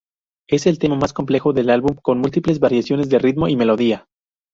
Es el tema más complejo del álbum, con múltiples variaciones de ritmo y melodía.